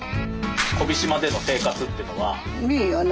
小飛島での生活ってのは。